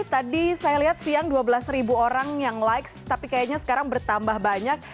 tadi saya lihat siang dua belas orang yang likes tapi kayaknya sekarang bertambah banyak